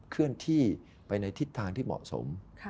เคลื่อนที่ไปในทิศทางที่เหมาะสม